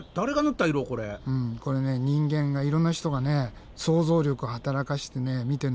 これね人間がいろんな人がね想像力を働かせてみてんだけどね